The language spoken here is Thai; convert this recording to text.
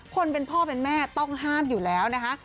คนเป็นพ่อเป็นแม่ต้องห้ามอยู่แล้วนะคะ